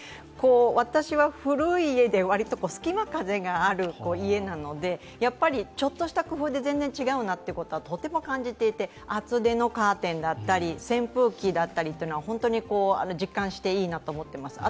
私は古い家で割と隙間風がある家なので、ちょっとした工夫で全然違うなということはとても感じていて、厚手のカーテンだったり扇風機だったりっていうのは本当に実感して、いいなと思っています。